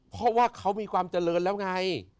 เพราะว่าเขามีความเจริญแล้วไง